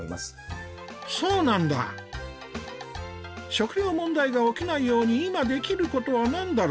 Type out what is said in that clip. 食糧問題が起きないように今できることは何だろう？